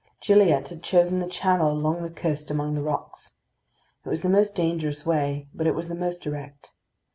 Gilliatt had chosen the channel along the coast among the rocks. It was the most dangerous way, but it was the most direct.